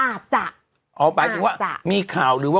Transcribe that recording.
อ่าออกไปจริงว่ามีข่าว